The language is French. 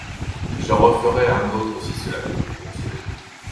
j'en referay ung aultre, si cela peut vous consoler.